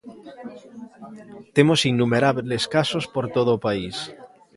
Temos innumerables casos por todo o país.